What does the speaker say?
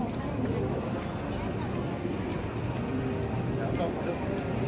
มันเป็นสิ่งที่จะให้ทุกคนรู้สึกว่ามันเป็นสิ่งที่จะให้ทุกคนรู้สึกว่า